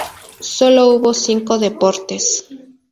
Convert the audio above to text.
Sólo hubo cinco deportes...